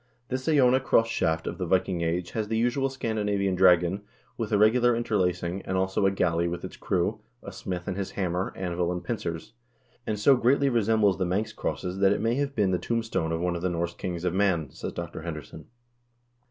This Iona cross shaft of the Viking Age has the usual Scandinavian dragon, with irregular interlacing, as also a galley with its crew, a smith with his hammer, anvil, and pincers — and so greatly resembles the Manx crosses that it may have been the tombstone of one of the Norse kings of Man," says Dr. Henderson.